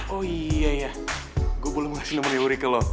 oh iya iya gue belum kasih nomernya uri ke lo